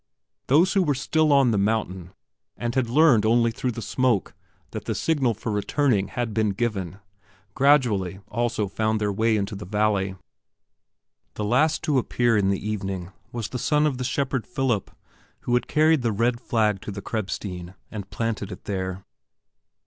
Those who still were on the mountain and had only learned through the smoke that the signal for returning had been given, gradually also found their way into the valley. The last to appear in the evening was the son of the shepherd Philip who had carried the red flag to the Krebsstein and planted it there.